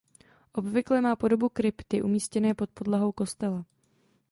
Obvykle má podobu krypty umístěné pod podlahou kostela.